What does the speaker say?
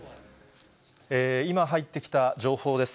今入ってきた情報です。